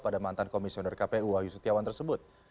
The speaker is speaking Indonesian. pada mantan komisioner kpu wahyu setiawan tersebut